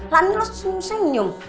lami lo senyum senyum